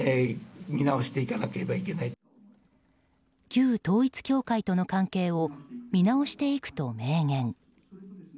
旧統一教会との関係を見直していくと明言。